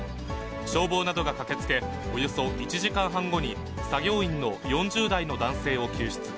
消防などが駆けつけ、およそ１時間半後に作業員の４０代の男性を救出。